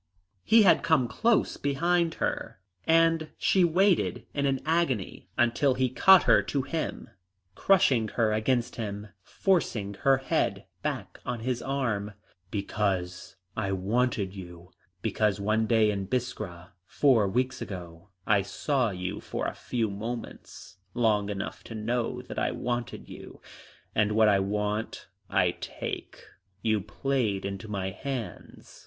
He had come close behind her, and she waited in an agony, until he caught her to him, crushing her against him, forcing her head back on his arm. "Because I wanted you. Because one day in Biskra, four weeks ago, I saw you for a few moments, long enough to know that I wanted you. And what I want I take. You played into my hands.